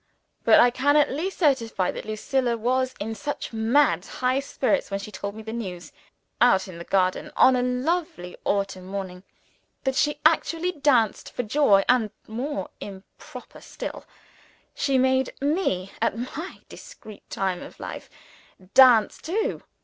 But I can at least certify that Lucilla was in such mad high spirits when she told me the news out in the garden, on a lovely autumn morning, that she actually danced for joy and, more improper still, she made me, at my discreet time of life, dance too.